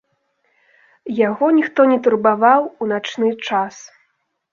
Яго ніхто не турбаваў у начны час.